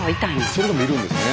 それでもいるんですね。